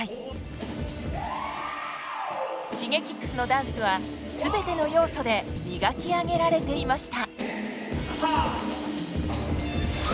Ｓｈｉｇｅｋｉｘのダンスは全ての要素で磨き上げられていました。